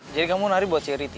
jadi kamu nari buat si riti